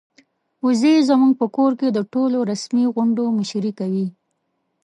وزې زموږ په کور کې د ټولو رسمي غونډو مشري کوي.